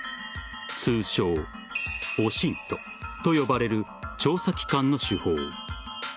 通称・ＯＳＩＮＴと呼ばれる調査機関の手法。